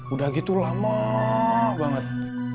udah gitu lama banget